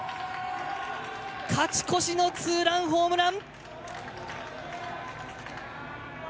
勝ち越しのツーランホームラン。